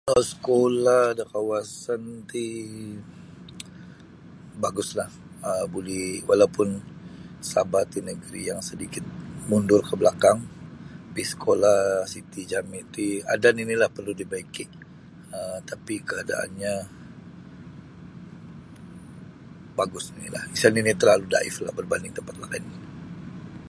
Sekolah da kawasan ti baguslah um buli walaupun Sabah ti negri yang sedikit mundur ke belakang tapi sekolah siti jami ti ada ninilah perlu dibaiki tapi kaadaannyo bagus ninilah isa nini terlalu daiflah berbanding tampat lain.